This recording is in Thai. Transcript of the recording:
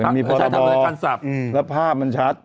มันมีพอระบอร์รับภาพมันชัด